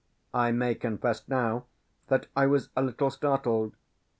I may confess now, that I was a little startled.